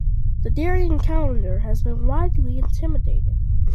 The Darian calendar has been widely imitated.